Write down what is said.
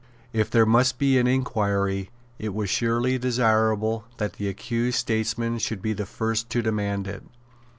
If there must be an inquiry, it was surely desirable that the accused statesmen should be the first to demand it.